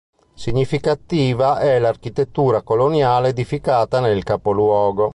Significativa è l'architettura coloniale edificata nel capoluogo.